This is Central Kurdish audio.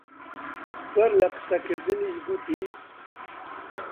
بەر لە قسە کردنیش گوتی: